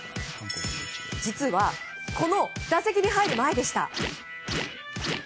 実はこの打席に入る前でした。